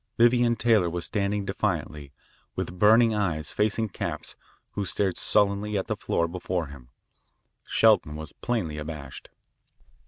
Vivian Taylor was standing defiantly, with burning eyes, facing Capps, who stared sullenly at the floor before him. Shelton was plainly abashed.